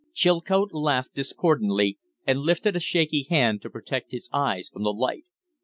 Chilcote laughed discordantly, and lifted a shaky hand to protect his eyes from the light.